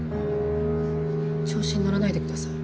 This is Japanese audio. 調子に乗らないでください。